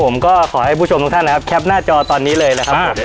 ผมก็ขอให้ผู้ชมทุกท่านนะครับแคปหน้าจอตอนนี้เลยนะครับผม